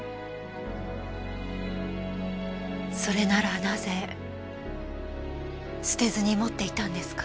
それならなぜ捨てずに持っていたんですか？